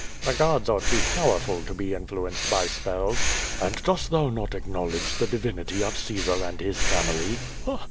"The gods are too powerful to be influenced by spells." "And dost thou not acknowledge the divinity of Caesar and his family?"